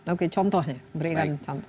oke contohnya berikan contoh